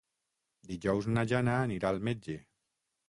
Dijous na Jana anirà al metge.